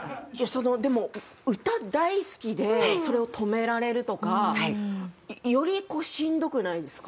でも歌大好きでそれを止められるとかよりしんどくないですか？